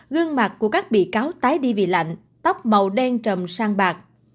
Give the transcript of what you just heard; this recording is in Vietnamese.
gương mặt của các bị cáo tái đi vì lạnh tóc màu đen trầm san bạc